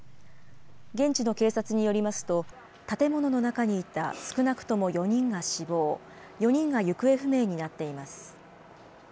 現地の警察によりますと、建物の中にいた少なくとも４人が死亡、４人が行方不明になっています。